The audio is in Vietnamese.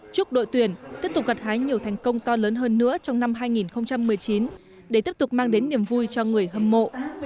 chúc đội tuyển tiếp tục gặt hái nhiều thành công to lớn hơn nữa trong năm hai nghìn một mươi chín để tiếp tục mang đến niềm vui cho người hâm mộ